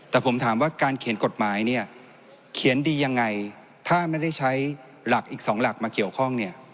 แต่ผมถามว่าการเขียนกฎหมายเนี่ยเขียนดียังไงถ้าไม่ได้ใช้หลักอีก๒หลักมาเกี่ยวข้องเนี่ย